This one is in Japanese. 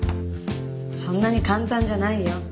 そんなに簡単じゃないよ。